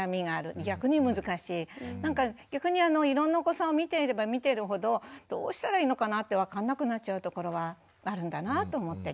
なんか逆にいろんなお子さんを見ていれば見ているほどどうしたらいいのかなって分かんなくなっちゃうところはあるんだなと思って聞いていました。